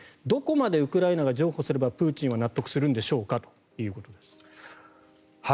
どこまでウクライナが譲歩すればプーチンは納得するんでしょうかということです。